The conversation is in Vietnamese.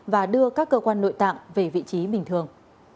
và đưa các cơ quan nội tạng về vị trí bình thường